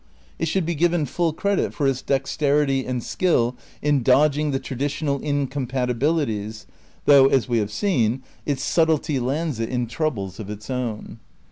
It should be given full credit for its dexterity and skill in dodging the traditional incompatibilities, though, as we have seen, its sub tlety lands it in troubles of its own.